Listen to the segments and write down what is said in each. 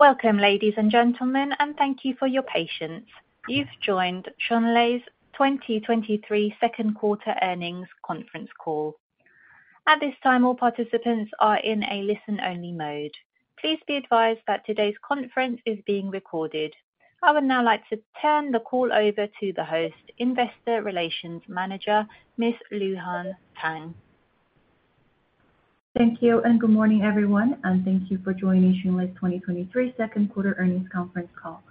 Welcome, ladies and gentlemen, and thank you for your patience. You've joined Xunlei's 2023 second quarter earnings conference call. At this time, all participants are in a listen-only mode. Please be advised that today's conference is being recorded. I would now like to turn the call over to the host, Investor Relations Manager, Miss Luhan Tang. Thank you, good morning, everyone, and thank you for joining Xunlei's 2023 second quarter earnings conference call.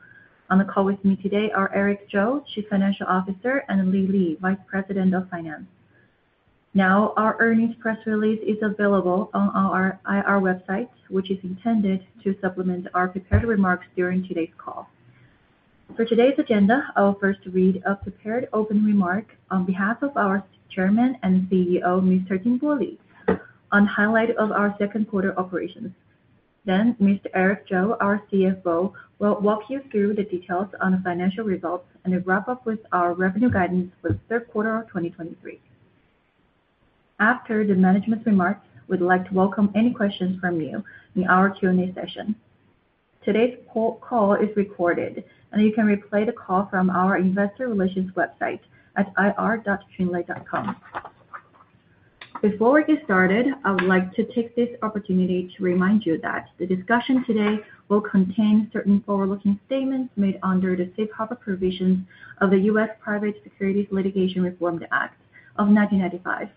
On the call with me today are Eric Zhou, Chief Financial Officer, and Li Li, Vice President of Finance. Our earnings press release is available on our IR website, which is intended to supplement our prepared remarks during today's call. For today's agenda, I'll first read a prepared opening remark on behalf of our Chairman and CEO, Mr. Jingbo Li, on highlight of our second quarter operations. Mr. Eric Zhou, our CFO, will walk you through the details on the financial results and a wrap-up with our revenue guidance for the third quarter of 2023. After the management's remarks, we'd like to welcome any questions from you in our Q&A session. Today's call is recorded, and you can replay the call from our investor relations website at ir.xunlei.com. Before we get started, I would like to take this opportunity to remind you that the discussion today will contain certain forward-looking statements made under the safe harbor provisions of the US Private Securities Litigation Reform Act of 1995.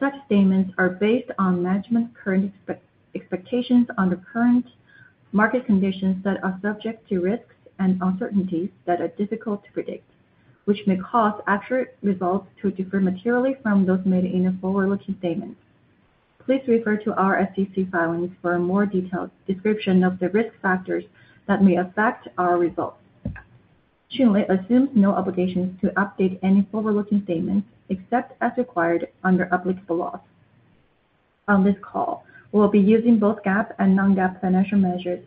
Such statements are based on management's current expectations on the current market conditions that are subject to risks and uncertainties that are difficult to predict, which may cause actual results to differ materially from those made in the forward-looking statements. Please refer to our SEC filings for a more detailed description of the risk factors that may affect our results. Xunlei assumes no obligations to update any forward-looking statements, except as required under applicable laws. On this call, we'll be using both GAAP and non-GAAP financial measures.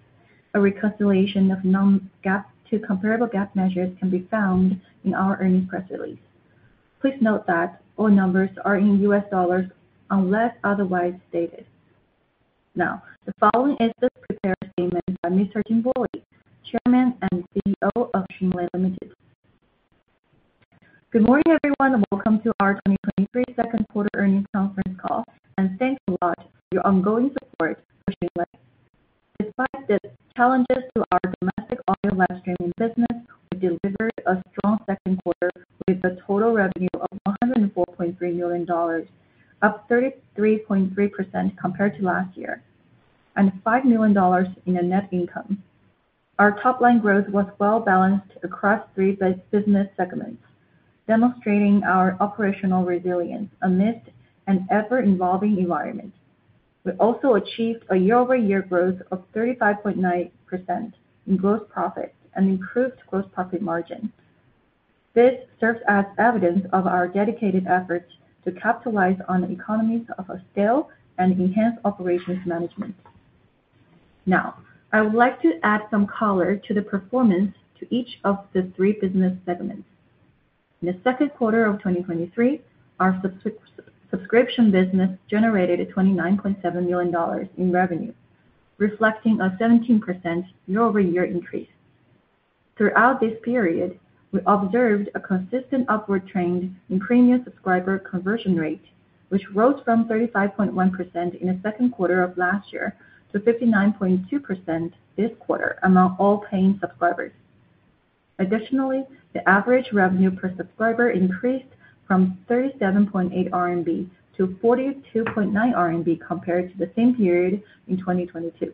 A reconciliation of non-GAAP to comparable GAAP measures can be found in our earnings press release. Please note that all numbers are in US dollars unless otherwise stated. Now, the following is the prepared statement by Mr. Jingbo Li, Chairman and CEO of Xunlei Limited. Good morning, everyone, and welcome to our 2023 second quarter earnings conference call, and thanks a lot for your ongoing support for Xunlei. Despite the challenges to our domestic audio live streaming business, we delivered a strong second quarter with a total revenue of $104.3 million, up 33.3% compared to last year, and $5 million in a net income. Our top-line growth was well-balanced across three business segments, demonstrating our operational resilience amidst an ever-evolving environment. We also achieved a year-over-year growth of 35.9% in gross profits and improved gross profit margin. This serves as evidence of our dedicated efforts to capitalize on the economies of a scale and enhance operations management. Now, I would like to add some color to the performance to each of the three business segments. In the second quarter of 2023, our subscription business generated $29.7 million in revenue, reflecting a 17% year-over-year increase. Throughout this period, we observed a consistent upward trend in premium subscriber conversion rate, which rose from 35.1% in the second quarter of last year to 59.2% this quarter among all paying subscribers. Additionally, the average revenue per subscriber increased from 37.8 RMB to 42.9 RMB, compared to the same period in 2022.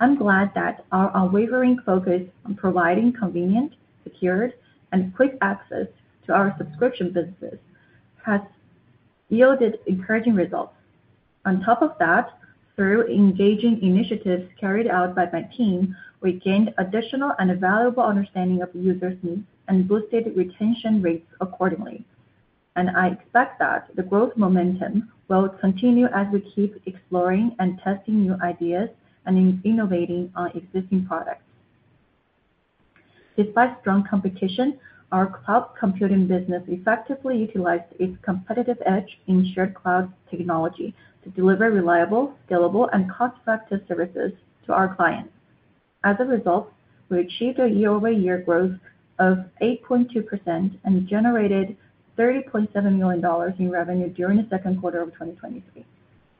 I'm glad that our unwavering focus on providing convenient, secured, and quick access to our subscription businesses has yielded encouraging results. On top of that, through engaging initiatives carried out by my team, we gained additional and valuable understanding of users' needs and boosted retention rates accordingly. I expect that the growth momentum will continue as we keep exploring and testing new ideas and innovating on existing products. Despite strong competition, our cloud computing business effectively utilized its competitive edge in shared cloud technology to deliver reliable, scalable, and cost-effective services to our clients. As a result, we achieved a year-over-year growth of 8.2% and generated $30.7 million in revenue during the second quarter of 2023.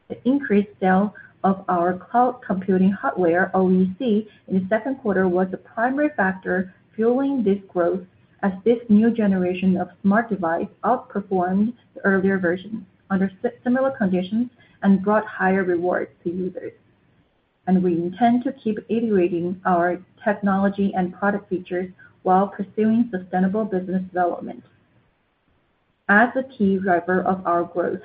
The increased sale of our cloud computing hardware, OEC, in the second quarter, was the primary factor fueling this growth, as this new generation of smart device outperformed the earlier version under similar conditions and brought higher rewards to users. We intend to keep iterating our technology and product features while pursuing sustainable business development. As a key driver of our growth,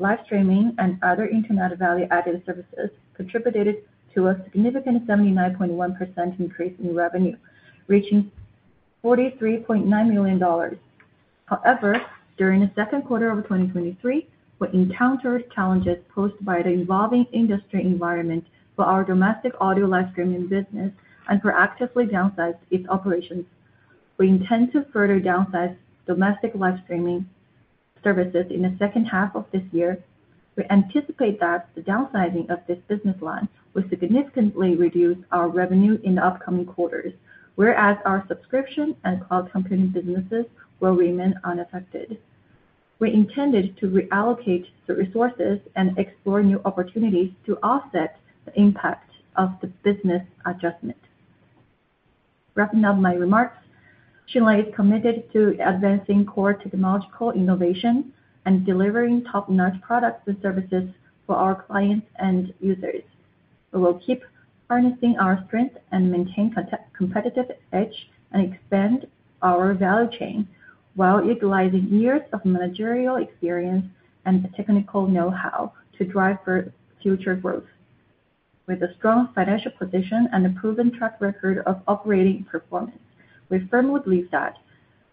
live streaming and other Internet Value-Added Services contributed to a significant 79.1% increase in revenue, reaching $43.9 million. However, during the second quarter of 2023, we encountered challenges posed by the evolving industry environment for our domestic audio live streaming business and proactively downsized its operations. We intend to further downsize domestic live streaming services in the second half of this year. We anticipate that the downsizing of this business line will significantly reduce our revenue in the upcoming quarters, whereas our subscription and cloud computing businesses will remain unaffected. We intended to reallocate the resources and explore new opportunities to offset the impact of the business adjustment. Wrapping up my remarks, Xunlei is committed to advancing core technological innovation and delivering top-notch products and services for our clients and users. We will keep harnessing our strength and maintain competitive edge, and expand our value chain, while utilizing years of managerial experience and the technical know-how to drive for future growth. With a strong financial position and a proven track record of operating performance, we firmly believe that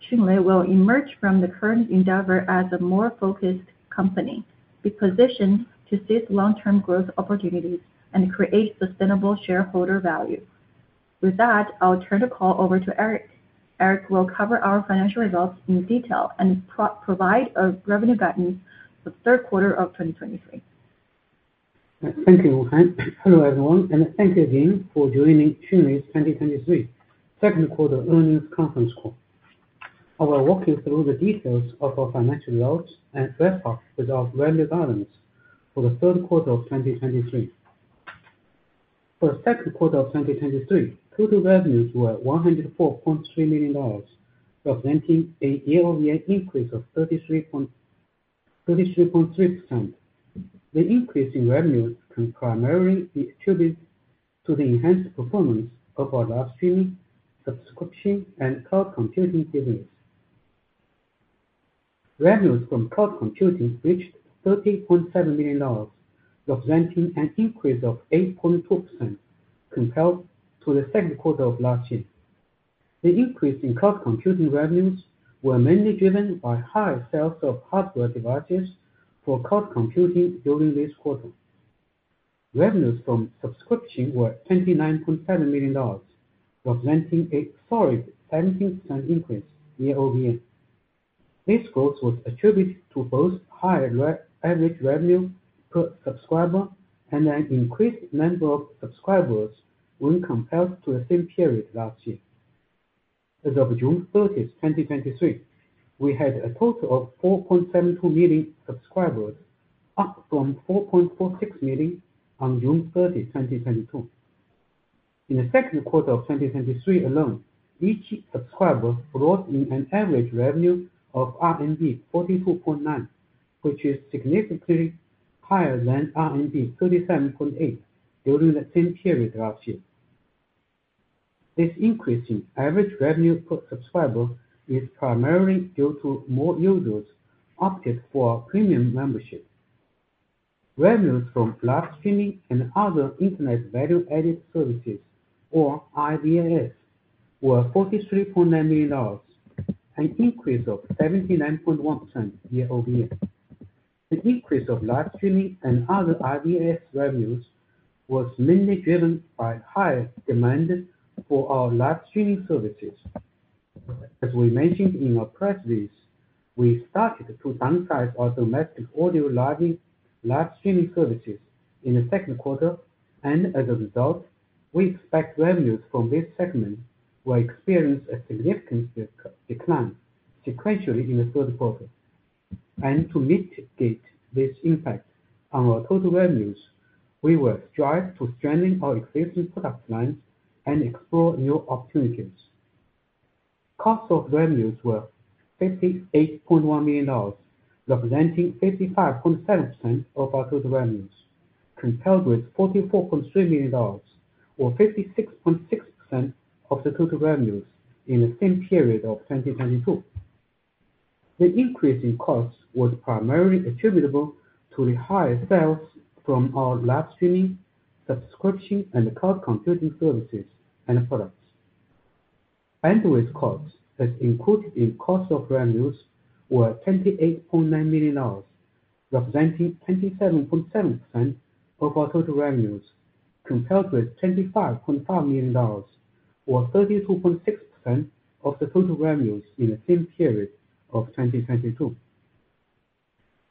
Xunlei will emerge from the current endeavor as a more focused company, be positioned to seize long-term growth opportunities, and create sustainable shareholder value. With that, I'll turn the call over to Eric. Eric will cover our financial results in detail and provide a revenue guidance for the third quarter of 2023. Thank you, Luhan. Hello, everyone, and thank you again for joining Xunlei's 2023 second quarter earnings conference call. I will walk you through the details of our financial results and wrap up with our revenue guidance for the third quarter of 2023. For the second quarter of 2023, total revenues were $104.3 million, representing a year-over-year increase of 33.3%. The increase in revenues can primarily be attributed to the enhanced performance of our live streaming, subscription, and cloud computing business. Revenues from cloud computing reached $30.7 million, representing an increase of 8.2% compared to the second quarter of last year. The increase in cloud computing revenues were mainly driven by higher sales of hardware devices for cloud computing during this quarter. Revenues from subscription were $29.7 million, representing a solid 17% increase year-over-year. This growth was attributed to both higher average revenue per subscriber and an increased number of subscribers when compared to the same period last year. As of June 30, 2023, we had a total of 4.72 million subscribers, up from 4.46 million on June 30, 2022. In the second quarter of 2023 alone, each subscriber brought in an average revenue of 42.9, which is significantly higher than 37.8 during the same period last year. This increase in average revenue per subscriber is primarily due to more users opted for premium membership. Revenues from live streaming and other Internet Value-Added Services, or IVAS, were $43.9 million, an increase of 79.1% year-over-year. The increase of live streaming and other IVAS revenues was mainly driven by higher demand for our live streaming services. As we mentioned in our press release, we started to downsize our domestic audio live streaming services in the second quarter, as a result, we expect revenues from this segment will experience a significant decline sequentially in the third quarter. To mitigate this impact on our total revenues, we will strive to strengthen our existing product lines and explore new opportunities. Cost of revenues were $58.1 million, representing 55.7% of our total revenues, compared with $44.3 million, or 56.6% of the total revenues in the same period of 2022. The increase in costs was primarily attributable to the higher sales from our live streaming, subscription, and cloud computing services and products. Bandwidth costs, as included in cost of revenues, were $28.9 million, representing 27.7% of our total revenues, compared with $25.5 million or 32.6% of the total revenues in the same period of 2022.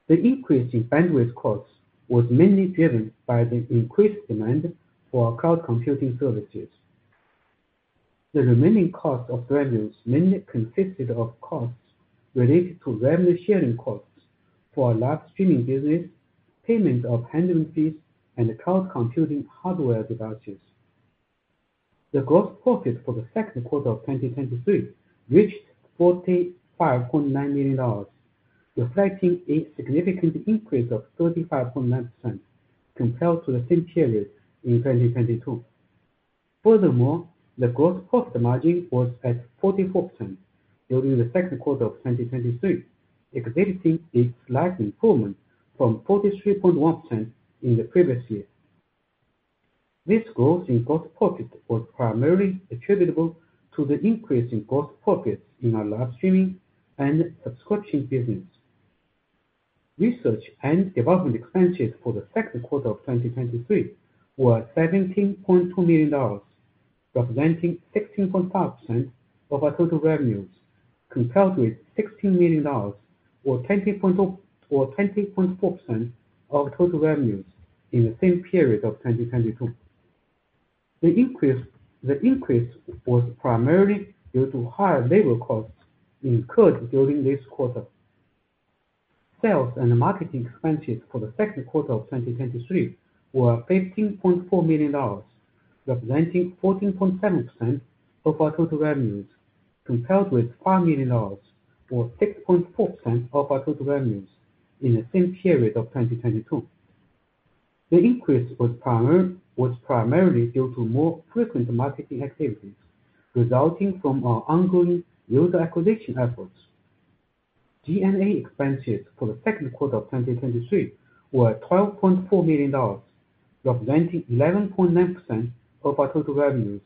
The increase in bandwidth costs was mainly driven by the increased demand for our cloud computing services. The remaining cost of revenues mainly consisted of costs related to revenue sharing costs for our live streaming business, payment of handling fees, and cloud computing hardware devices. The gross profit for the second quarter of 2023 reached $45.9 million, reflecting a significant increase of 35.9% compared to the same period in 2022. Furthermore, the gross profit margin was at 44% during the second quarter of 2023, exhibiting a slight improvement from 43.1% in the previous year. This growth in gross profit was primarily attributable to the increase in gross profits in our live streaming and subscription business. Research and development expenses for the second quarter of 2023 were $17.2 million, representing 16.5% of our total revenues, compared with $16 million or 20.4% of total revenues in the same period of 2022. The increase was primarily due to higher labor costs incurred during this quarter. Sales and marketing expenses for the second quarter of 2023 were $15.4 million, representing 14.7% of our total revenues, compared with $5 million or 6.4% of our total revenues in the same period of 2022. The increase was primarily due to more frequent marketing activities, resulting from our ongoing user acquisition efforts. G&A expenses for the second quarter of 2023 were $12.4 million, representing 11.9% of our total revenues,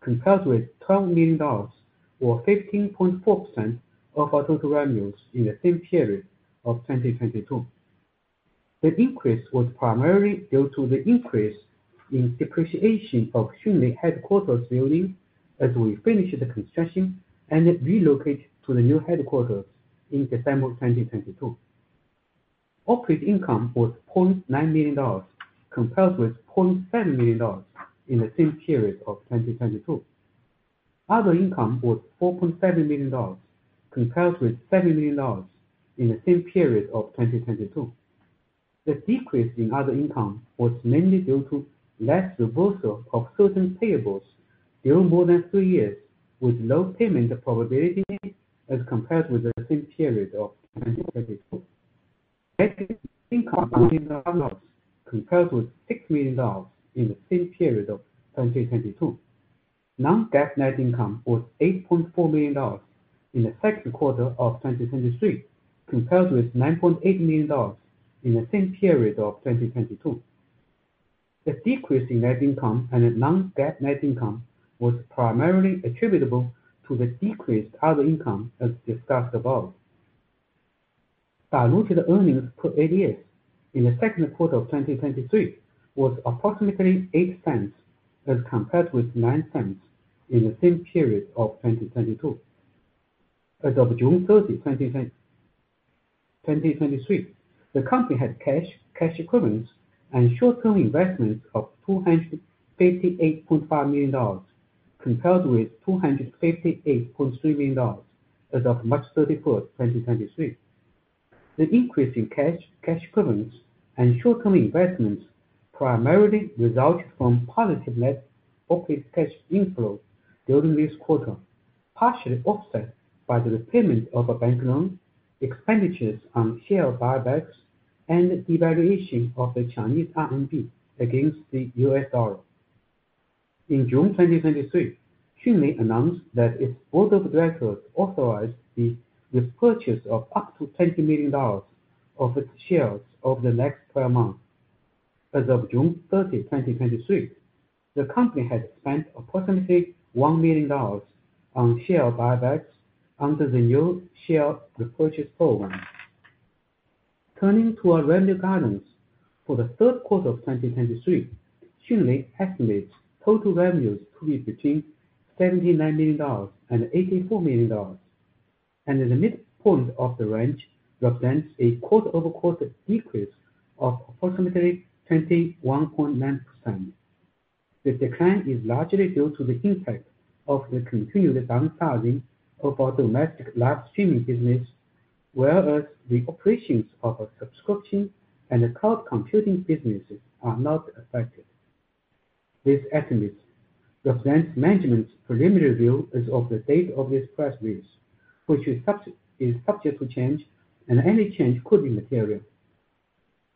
compared with $12 million or 15.4% of our total revenues in the same period of 2022. The increase was primarily due to the increase in depreciation of Xunlei headquarters building as we finished the construction and relocate to the new headquarters in December of 2022. Operating income was $0.9 million, compared with $0.7 million in the same period of 2022. Other income was $4.7 million, compared with $7 million in the same period of 2022. The decrease in other income was mainly due to less reversal of certain payables during more than two years, with low payment probability as compared with the same period of 2022. Compared with $6 million in the same period of 2022. Non-GAAP net income was $8.4 million in the second quarter of 2023, compared with $9.8 million in the same period of 2022. The decrease in net income and the non-GAAP net income was primarily attributable to the decreased other income, as discussed above. Diluted earnings per ADS in the second quarter of 2023 was approximately $0.08, as compared with $0.09 in the same period of 2022. As of June 30, 2023, the company had cash, cash equivalents and short-term investments of $258.5 million, compared with $258.3 million as of March 31, 2023. The increase in cash, cash equivalents and short-term investments primarily resulted from positive net operating cash inflow during this quarter, partially offset by the repayment of a bank loan, expenditures on share buybacks, and devaluation of the Chinese RMB against the US dollar. In June 2023, Xunlei announced that its board of directors authorized the repurchase of up to $20 million of its shares over the next 12 months. As of June 30, 2023, the company had spent approximately $1 million on share buybacks under the new share repurchase program. Turning to our revenue guidance for the third quarter of 2023, Qunyi estimates total revenues to be between $79 million and $84 million, the midpoint of the range represents a quarter-over-quarter decrease of approximately 21.9%. The decline is largely due to the impact of the continued downsizing of our domestic live streaming business, whereas the operations of our subscription and the cloud computing businesses are not affected. This estimate represents management's preliminary view as of the date of this press release, which is subject, is subject to change, and any change could be material.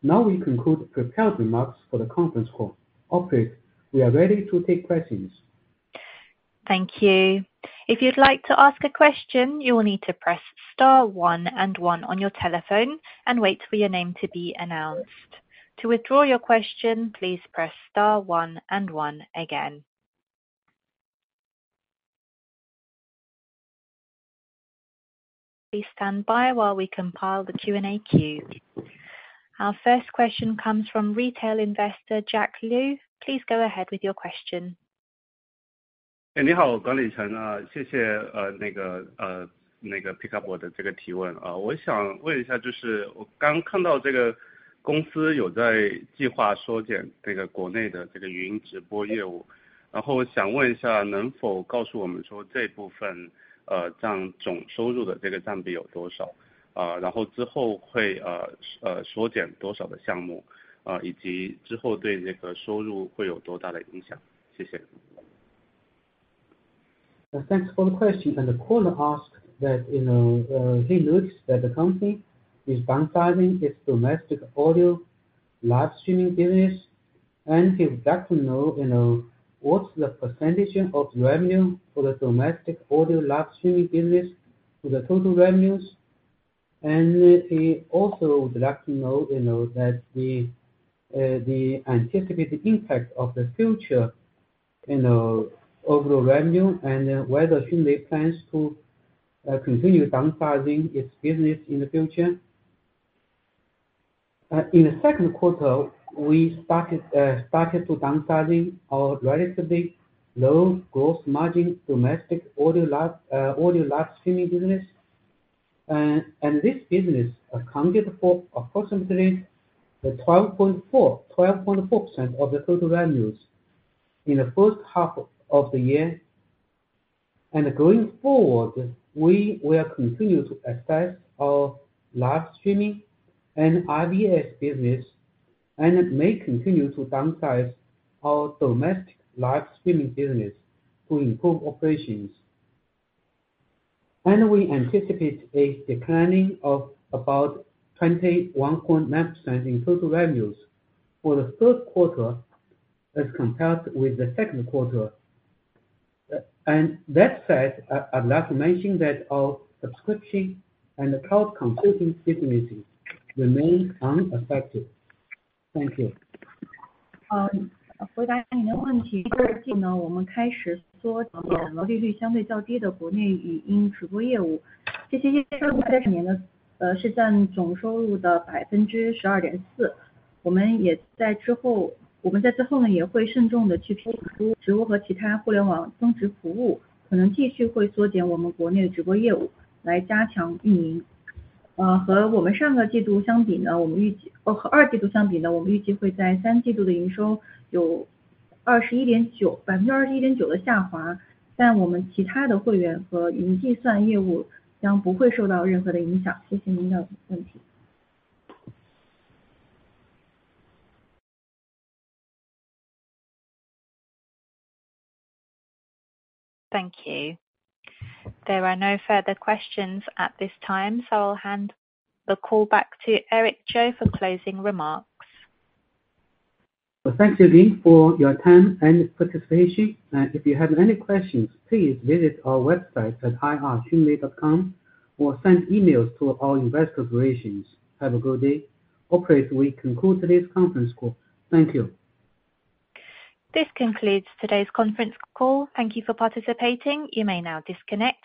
Now we conclude prepared remarks for the conference call. Operator, we are ready to take questions. Thank you. If you'd like to ask a question, you will need to "press star one and one" on your telephone and wait for your name to be announced. To withdraw your question, "please press star one and one" again. Please stand by while we compile the Q&A queue. Our first question comes from retail investor, Jack Liu. Please go ahead with your question. Thanks for the question. The caller asked that, you know, he notes that the company is downsizing its domestic audio live streaming business. He'd like to know, you know, what's the percentage of revenue for the domestic audio live streaming business to the total revenues? He also would like to know, you know, that the, the anticipated impact of the in the overall revenue, and whether Xunlei plans to continue downsizing its business in the future? In the second quarter, we started, started to downsizing our relatively low gross margin domestic audio live, audio live streaming business. This business accounted for approximately the 12.4, 12.4% of the total revenues in the first half of the year. Going forward, we will continue to assess our live streaming and IVAS business, and it may continue to downsize our domestic live streaming business to improve operations. We anticipate a declining of about 21.9% in total revenues for the third quarter as compared with the second quarter. That said, I-I'd like to mention that our subscription and the cloud computing businesses remain unaffected. Thank you. Thank you. There are no further questions at this time, I'll hand the call back to Eric Zhou for closing remarks. Well, thank you again for your time and participation. If you have any questions, please visit our website at ir.xunlei.com or send emails to our investor operations. Have a good day. Operator, we conclude today's conference call. Thank you. This concludes today's conference call. Thank you for participating. You may now disconnect.